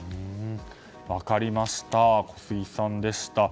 分かりました、小杉さんでした。